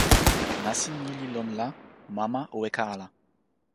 nasin ni li lon la, mama o weka ala.